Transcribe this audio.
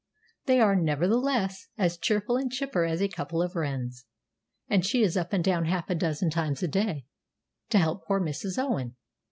They are, nevertheless, as cheerful and chipper as a couple of wrens; and she is up and down half a dozen times a day, to help poor Mrs. Owen.